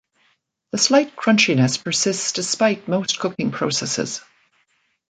The slight crunchiness persists despite most cooking processes.